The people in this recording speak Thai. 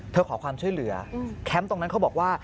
ขอความช่วยเหลือแคมป์ตรงนั้นเขาบอกว่า